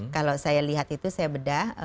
kalau saya lihat itu saya bedah